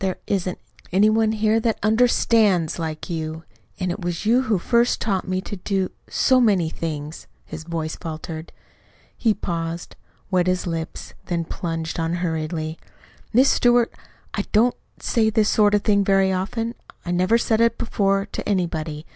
There isn't any one here that UNDERSTANDS like you. And it was you who first taught me to do so many things." His voice faltered. [Illustration: "YOU'VE HELPED MORE THAN YOU'LL EVER KNOW"] He paused, wet his lips, then plunged on hurriedly. "Miss Stewart, I don't say this sort of thing very often. I never said it before to anybody.